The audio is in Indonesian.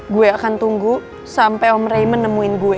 gue akan tunggu sampai om raymond nemuin gue